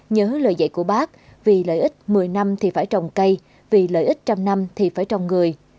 nhớ lời dạy của bác vì lợi ích một mươi năm thì phải trồng cây vì lợi ích trăm năm thì phải trồng người